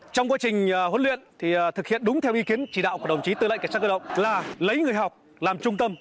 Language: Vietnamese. trong quá trình huấn luyện thì thực hiện đúng theo ý kiến chỉ đạo của đồng chí tư lệnh cảnh sát cơ động là lấy người học làm trung tâm